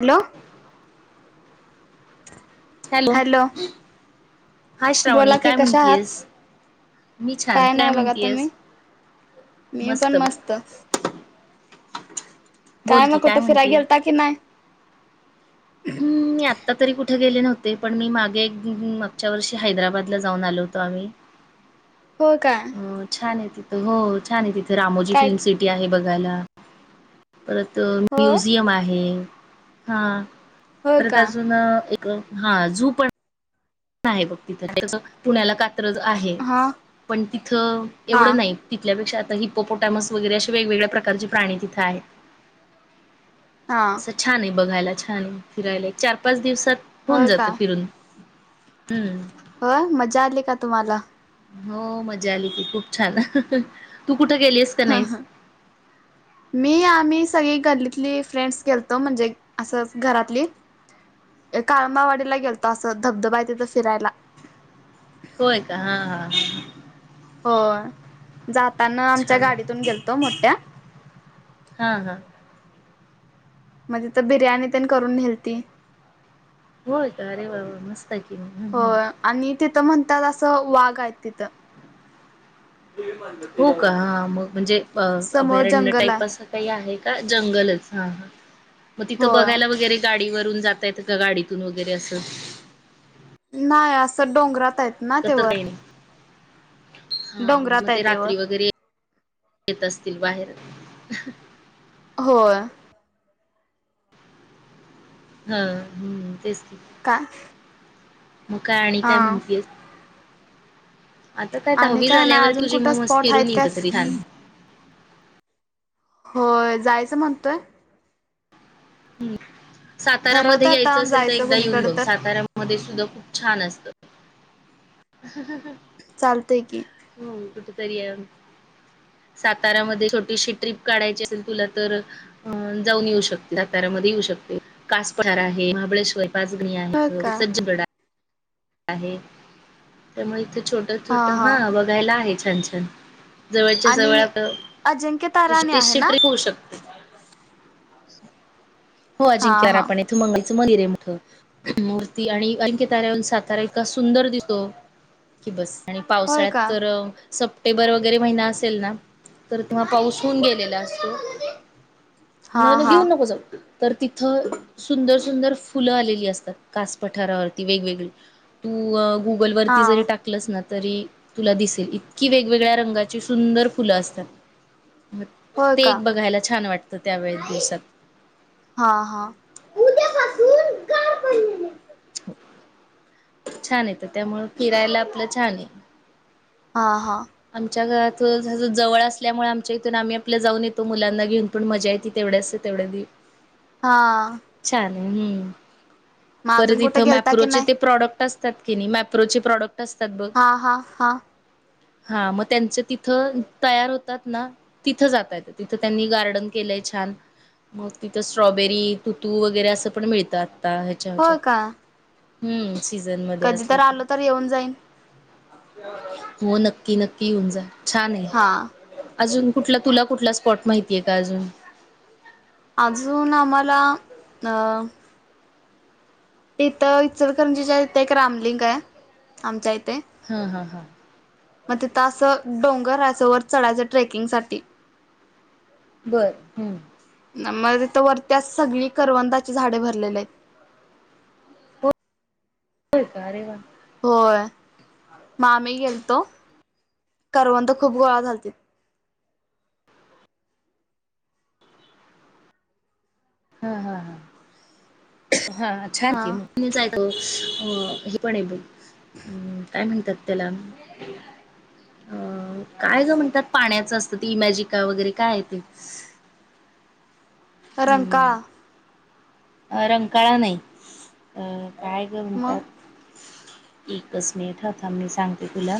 Hello. Hello. हा श्रावणी बोला की काय कशा म्हणतीयस आहात? मी छान काय नाही बघा म्हणतीयस तुम्ही? मी पण मस्त. बोल काय की मग कुठं फिराय म्हणतीय गेलता की नाय? हम्म. मी आत्ता तरी कुठे गेले नव्ह ते. पण मी मागे मागच्या वर्षी हैदराबादला जाऊन आलो होतो आम्ही. हो काय अ छान आहे. तिथं हो छान आहे. तिथं रामोजी काय फिल्म सिटी आहे बघायला. परत होय म्युझियम आहे. हां होय परत का अजून ए क हां झू पण आहे बघ तिथं पुण्याला का त्रज आहे. हा पण तिथ हा एवढं नाही. तिथल्यापेक्षा आता हिप्पो तामस वगरे असे वेगवेगळ्या प्रकारचे प्राणी तिथ आहे हा अस छान आहे. बघायला छान फिरायला. एक चार पाच दिवसात होऊन होय जात फिरून. हम्म. हो. मजा आली का तुम्हाला? हो. मजा आली की खूप छान तू कुठं गेलीस का हां नाहीस हां मी आम्ही स सगळी गल्लीतली फ्रेंड्स गेलतो म्हणजे असंच घरातली. काळमावाडीला गेलतो असं धबधबा आहे, तिथं फिरायला. होय का हां हां हां. हो. जाताना आमच्या छान आहे गाडीतून गेलतो मोठ्या. हा हा म्हणजे तर बिर्याणी तेन करून न्हेलती. होय का अरे वा वा मस्त आहे की. होय आणि तिथं म्हणतात असं वाघ आहेत तिथं. हो का हां मग म्हणजे. अ समोर अभयारण्य जंगल टाईप आहे असं काही आहे, का जंगलच हां हां. मग तिथं होय बघायला वगैरे गाडीवरून जाता येत का गाडीतून वगैरे असं? नाही असं डोंगरात आहेत, ना ते वर हां म्हणजे डोंगरात मग आहे ते वर रात्री वगैरे येत असतील बाहेर. हम्म. होय. हां हम्म तेच. की का? मग काय आणि काय म्हणतीयेस? आता काय आणि दहावी नाही झाल्यावर अजून तुझी कुठं मग मस्त स्पॉट आहेत फिरून ये काय कुठं तरी छान. हो जायचं म्हणतोय. हम्म ठरवत साताऱ्यामध्ये आता यायचं असेल तर जायचं एकदा येऊन कुणीकडे बघ तर साताऱ्यामध्ये सुद्धा खूप छान असत. हा हा हा. चालतंय की. हम्म कुठंतरी. सातारामध्ये छोटीशी ट्रिप काढायची असेल तुला तर अ जाऊन येऊ शकते साताऱ्या मध्ये येऊ शकते कास पठार आहे महाबळेश्वर पाजगणी हो आहेत इथं का सज्जगड आहे. आहे त्यामुळे इथे छोट हा छोट हा हां बघायला आहे, छान छान. जवळच्या जवळ आणि आता अजिंक्य ताराणी आहे तशी ना ट्रप होऊ शकते. हो हा अजिंक्यरा हा पण आहे इथं मंग मंदिर आहे, मोठं मूर्ती आणि अजिंक्य ताऱ्याहून सातारा इतका सुंदर दिसतो, की बस आणि होय का पावसाळ्यात तर. सप्टेंबर वगैरे महिना असेल ना तर तेव्हा पाऊस होऊन गेलेला असतो. हा न न हा घेऊन नकोस. तर तिथं सुंदर, सुंदर फुलं आलेली असतात कास पठारावरती वेगवेगळी तू अ. गुगल हा वरती जरी टाकलंस ना, तरी तुला दिसेल इतकी वेगवेगळ्या रंगाची सुंदर फुलं असतात. होय ते का एक बघायला छान वाटतं त्यावेेळेस दिवसात. हां हां. उद्यापासून गार पडलेले छान येतं त्यामुंळ फिरायला आपलं छान आहे, हा हा आमच्या घरात. [unintelligible] जवळ असल्यामुळे आमच्या इथून आम्ही आपल्या जाऊन येतो मुलांना घेऊन पण मजा येते तेवढ्याच तेवढ्या दि. हा. छान हम्म मग अजून परत कुठे इथं गेलता की मॅप्रोचे नाही? ते प्रॉडक्ट असतात की, नाही मॅप्रोचे प्रॉडक्ट. असतात बघ हा हा हा. हा मग त्यांच तिथं तयार होतात. ना तिथं जातय तिथं त्यांनी गार्डन केलंय छान. मग तिथं स्ट्रॉबेरी तुतू वगैरे असं पण मिळतात. ह्याच्या होय हच्यात का? हम्म सीझन मध्ये कधी असलं तर की. आलो तर येऊन जाईन. हो नक्की नक्की येऊन जा छान आहे. हा अजून कुठला तुला कुठला स्पॉट माहितीय का अजून. अजून आम्हाला अ तिथं इचरकरंजिच्या इथ एक रामलिंगाय आमच्या इथे ह-ह-ह. म तीतं आसं डोंगराय असं वर चढायचं ट्रेकिंगसाठी बर हम्म. म तितं वरती असं सगळी करवंदाची झाडं भरलेली आहेत. [unintelligible] हो का? अ रे वा. होय. मं आम्ही गेलतो. करवंद खूप गोळा झालतीत. हा हा हा. छान हा की मग. पण आहे ब. काय म्हणत्यात त्याला? अ काय गं म्हणत्यात पाण्याचं असतं ते इमॅजिक वगैरे काय आहे ते? [unintelligible] रंकाळा. अ रंकाळा नाही. अ काय गं मग म्हणतात. एकच मिनिटयं थांब मी सांगते तुला.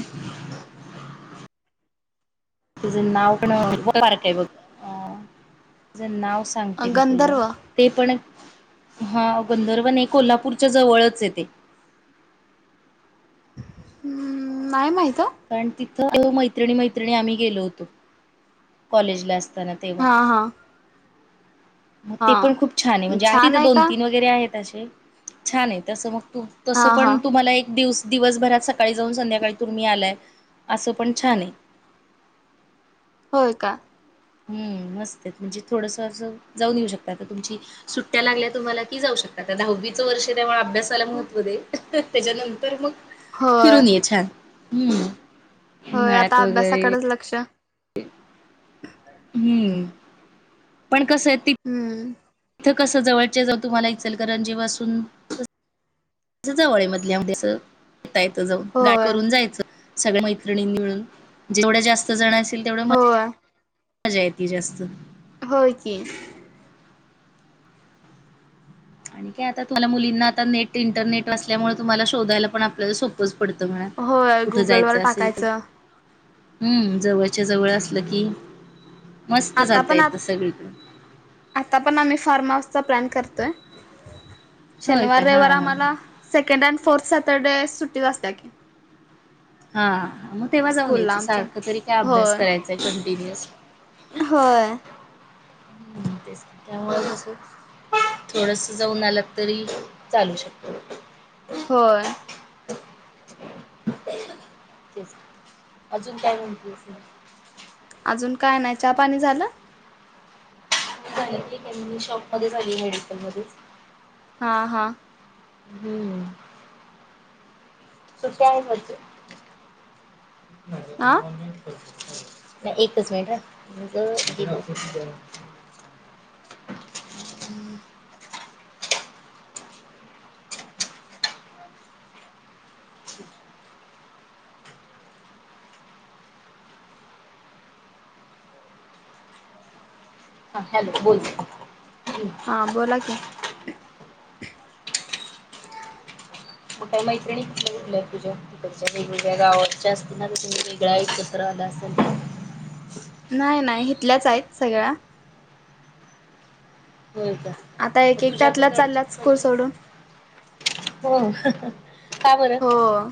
तेज नाव पण खूप बारक आहे बघ. अ तझ नाव सांगते मी तुला गंधर्व ते पण हा गंधर्व नाही कोल्हापूरच्या जवळच ये तेे. हम्म नाही माहित. ओ. कारण तिथं मैत्रिण- मैत्रिणी आम्ही गेलो होतो कॉलेजला असत तेव्हा. हा हा मग हा ते पण खूप छान आहे म्हणजे आ छान तिथं आहे दोन- का? तीन वगैरे आहेत. असे छान आहे तसं मग. हा तसं हा पण तुम्हाला एक दिवस दिवसभरात सकाळी जाऊन संध्याकाळी तुम्ही आलाय असं पण छानये. होय का? हम मस्तये. म्हणजे थोडसं असं जाऊन येऊ शकताय. आता तुमची सुट्ट्या लागल्या तुम्हाला कि जाऊ शक दहावीचं वर्ष त्यामुळं अभ्यास अभ्यासाला महत्व दे त्याच्यानंतर मग होय फिरून ये छान ह. होय आता अभ्यासाकडच लक्ष. हम्म हम्म. इथ कसं जवळचे जाऊ तुम्हाला इचलकरंजी वासून जवळ मधल्या मध्ये असं येेतायचं जाऊन गाय होय करून जायचं. सगळ्या मैत्रिणीं मिळून. जेवढ्या जास्त जण असेल तेवढं होय मजा येते जास्त. होय की. आणि काय आता तुम्हाला मुलींना आता नेट इंटरनेट वासल्यामुळे तुम्हाला शोधायला पण आपल्याला सोपोज पडतं मणा. होय कुठं गुगलवर जायचं असेल तर. टाकायचं हम्म. जवळच्या जवळ असलं की मस्त आता जाता पण आ, येतं सगळीकडे. आता पण आम्ही फार्म हाऊस चा लॅन करतोय. होय शनवार का हा रविवार हा. आमाला सेकन्ड अँड फोर्ट स्या तर सुट्टीचं असत्या कि. हा मग तेव्हा जाऊन यायचं. आमच्या सारखं तरी काय अभ्यास होय करायचाय कंटिन्युअस होय. हम्म तेस त्यामुळं कसं थोडसं जाऊन आलं तरी चालू शकतो. होय. तेच अजून काय म्हणतीएस? अजून काय नाही चहा, पाणी झालं? झाले का मी शॉप मध्येच आली आहे हडटन मध्येच हा हां हम्म का म्ह हा नाही एकच मिनट हम्म [unintelligible] हा हॅलो बोलत हा बोला कि मोठ्या मैत्रिणी क तुझ्यातीच्या वेगवेगळ्या गावाच्या अस नाु वेगळा आहेत कस राहि असल नाही नाही हथल्याच आहेत सगळ्या होय का आता एक मग एक त्यातला तुझ्याकडची चाललात स्कूल इकडची सोडून हो का बरं हो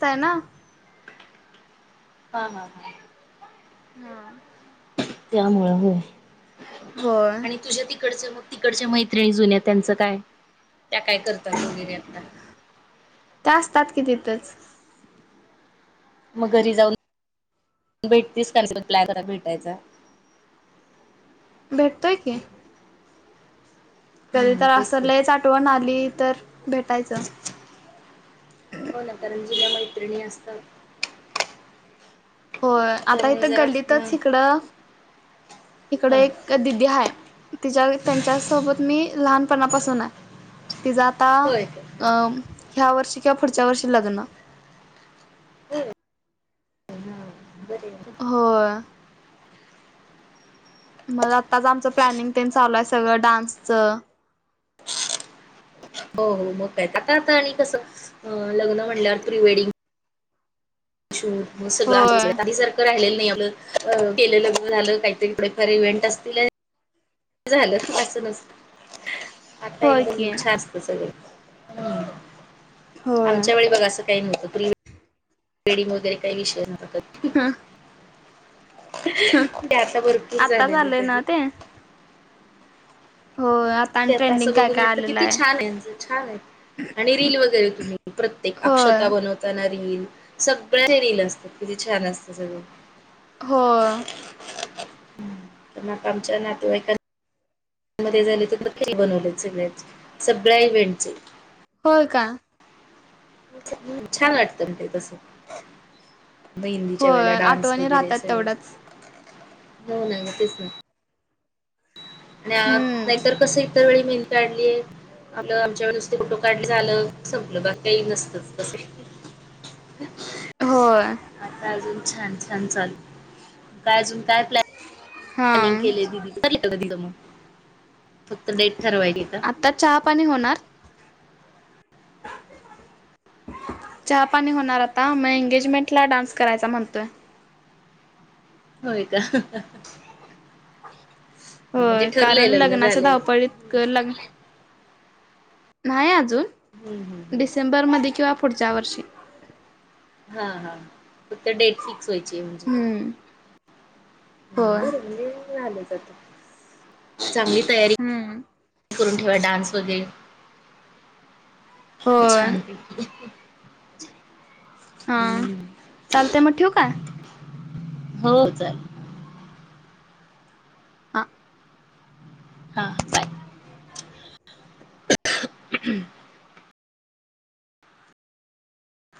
ताना ह का हा त्यामुळ होय होय आणि तुझ्या त तिकड मग तिकडच्या मैत्रिणी जुन्या त्यांचं काय त्या काय करतात वगैरे आता ते असतात कि तिथंच मग घरी जाऊन भेटतीस का प्लॅकर भेटायचा भेटतय की कधी हम्म तर तेच की. असलेच आठवण आली तर भेटायचं हो ना तरंजीला मैत्रिणी असत हो आता इथं गल्लीतच शिकडं इकड ह एक दिदी आहे तिच्या त्यांच्या सोबत मी लहानपणापासून आहे ती जाता होय ह्या वर्षी किंवा पुढच्या वर्षी लग्न ह बर होय मग आताच आमचं प्लॅनिंग त्यांनी चालू आहे सगळं डान्सच हो हो मग आता आता आणि कसं लग्न म्हणल्या प्रिवेडिंग ू सगळं होय त जारख राहिलं केलं झालं काहीतरी डेफार इव्हेंट असतील झालंूनच आता होय की एकदमच्छ असत सगळ होय. आमच्या वेळी बघ असं काही नव्हतं तुला वेडिंग वगैरे काही विषय नक ह ह ते आता भरपूर आता झालेले आहे चाललंय ना तसे ते. होय आणि ते आता ट्रेंडिंग असं काय बघून काय वाटतं आलेलं किती छान आहे म्हणजे छान आहे आणि रील वगैरे तुम्ही प्रत्येक होय अक्षता बनवताना रील सगळ्या रील असतात कि छान असत सगळं हो मग आमच्या नातेवाईकांना मध्ये झाले तर मग त्यांनी बनवलेत सगळेच सगळ्या इव्हेंटचे होय का छान वाटतं मग ते तस मेहेंदीच्या होय वेळेला डान्स आठवणी वगैरे राहतात असेल ना तेवढ्याच. होय ग तेच ना न हम्म नाहीतर कस इतर वेळी नेलतं ले आमच्या नुसते फोटो काढले झालं संपलं बाकी काही नसत तस ह आता अजून छान छान चालू काय अजून काय प्लॅन.... हा लनीग केलं दिदीच पलीकड दिल मग... फक्त डेट ठरवायची का आता चहा पाणी होणार.... कशी झाली.... चहापाणी होणार आता मग एंग्जमेंट ला डान्स करायचा म्हणतोय... होय का हा हा हा.... ह म्हणजे होय ठरलंय कारण लग्न लग्नाच्या झालेलं... धावपळीत लग्न नाही हम्म, हम्म, अजून हम्म. डिसेंबरमध्ये किंवा पुढच्या वर्षी... हा हा फक्त डेट फिक्स व्हायची आहे म्हणजे.... हम्म होय बर घरून नाही आलं.. चांगले आहेत... हम्म.... करून ठेवा डान्स वगैरे... होय छान ते... हा चालतय मग ठेवू काय... हो चालेल... हा... हा बाय... अहं अखं...